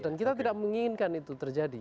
dan kita tidak menginginkan itu terjadi